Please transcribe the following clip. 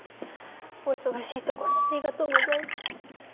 お忙しいところありがとうございます。